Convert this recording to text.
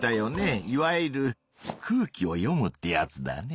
いわゆる空気を読むってやつだね。